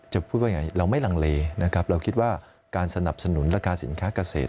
พูดว่าอย่างไรเราไม่ลังเลนะครับเราคิดว่าการสนับสนุนราคาสินค้าเกษตร